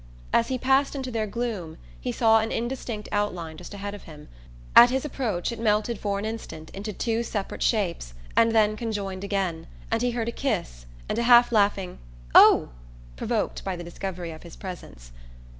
As he passed into their gloom he saw an indistinct outline just ahead of him. At his approach it melted for an instant into two separate shapes and then conjoined again, and he heard a kiss, and a half laughing "Oh!" provoked by the discovery of his presence.